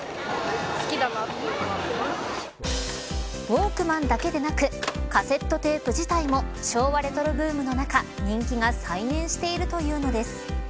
ウォークマンだけでなくカセットテープ自体も昭和レトロブームの中人気が再燃しているというのです。